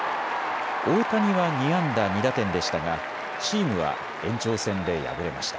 大谷は２安打２打点でしたがチームは延長戦で敗れました。